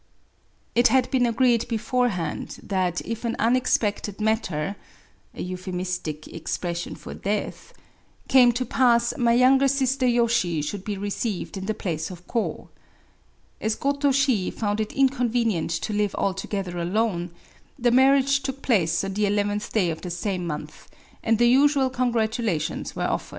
— It had been agreed beforehand that if an unexpected matter^ came to pass, my younger sister Yoshi should be received in the place of Kd. As Goto Shi found it incon venient to live altogether alone, the marriage took place on the eleventh day of the same month ; and the usual con* gratulations were offered.